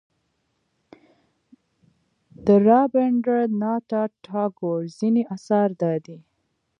د رابندر ناته ټاګور ځینې اثار دادي.